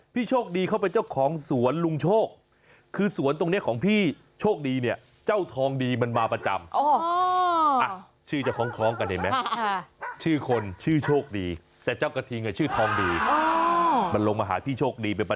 พี่โชคดีคือใครใช่พี่โชคดีเขาเป็นเจ้าของสวนลุงโชค